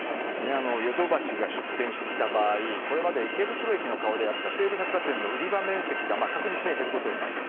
ヨドバシが出店してきた場合これまで池袋駅の顔であった池袋本店の売り場面積が確実に減ることになると。